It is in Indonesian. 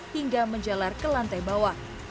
hingga menjalar ke lantai bawah